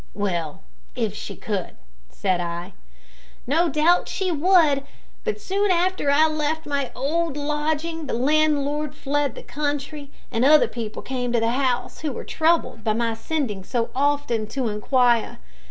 "Well if she could," said I. "No doubt she would; but soon after I left my old lodging the landlord fled the country, and other people came to the house, who were troubled by my sending so often to inquire.